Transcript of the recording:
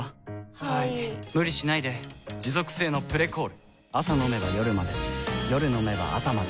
はい・・・無理しないで持続性の「プレコール」朝飲めば夜まで夜飲めば朝まで